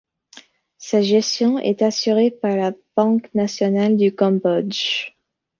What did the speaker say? Sa gestion est assurée par la Banque nationale du Cambodge.